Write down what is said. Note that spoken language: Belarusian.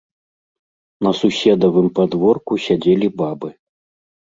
На суседавым падворку сядзелі бабы.